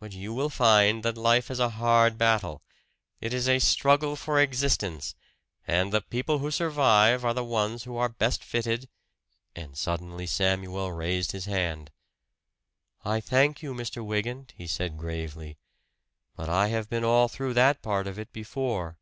But you will find that life is a hard battle. It is a struggle for existence, and the people who survive are the ones who are best fitted " And suddenly Samuel raised his hand. "I thank you, Mr. Wygant," he said gravely, "but I have been all through that part of it before."